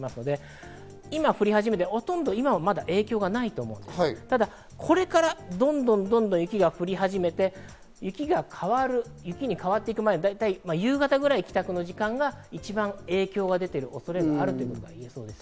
今、降り始めて、今はほとんど影響がないと思うんですが、これからどんどん雪が降り始めて、雪に変わっていく前、だいたい夕方くらい、帰宅の時間が一番影響が出ている恐れがあるとみています。